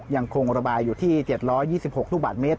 ยังคงระบายอยู่ที่๗๒๖ลูกบาทเมตร